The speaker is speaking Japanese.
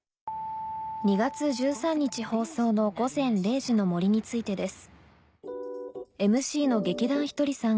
２月１３日放送の『午前０時の森』についてです